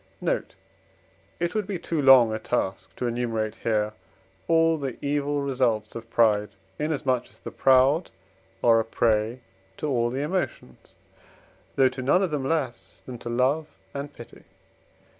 Note. It would be too long a task to enumerate here all the evil results of pride, inasmuch as the proud are a prey to all the emotions, though to none of them less than to love and pity.